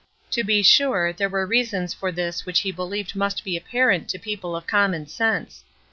To be sure, there were reasons for this which he believed must be apparent to people of common sense.